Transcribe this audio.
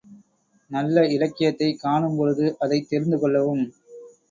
நல்ல இலக்கியத்தைக் காணும்பொழுது அதைத் தெரிந்து கொள்ளவும்.